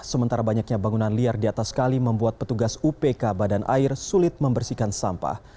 sementara banyaknya bangunan liar di atas kali membuat petugas upk badan air sulit membersihkan sampah